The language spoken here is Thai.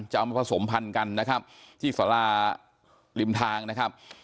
เอามาผสมพันธุ์กันนะครับที่สาราริมทางนะครับ